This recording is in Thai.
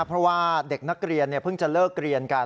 เพราะว่าเด็กนักเรียนเพิ่งจะเลิกเรียนกัน